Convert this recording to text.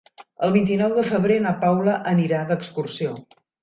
El vint-i-nou de febrer na Paula anirà d'excursió.